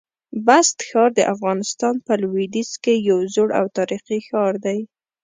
بست ښار د افغانستان په لودیځ کي یو زوړ او تاریخي ښار دی.